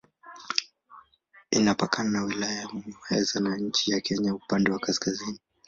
Inapakana na Wilaya ya Muheza na nchi ya Kenya upande wa kaskazini.